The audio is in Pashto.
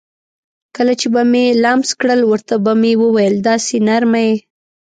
کله چې به مې لمس کړل ورته به مې وویل: داسې نرمه یې.